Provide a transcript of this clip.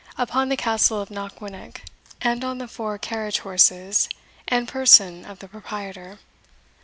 upon the Castle of Knockwinnock, and on the four carriage horses, and person of the proprietor.